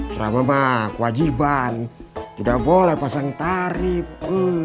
ceramah mah kewajiban tidak boleh pasang tarif